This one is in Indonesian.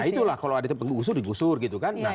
nah itulah kalau ada yang berusur digusur gitu kan